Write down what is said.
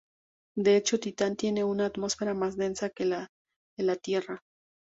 De hecho Titán tiene una atmósfera más densa que la de la Tierra.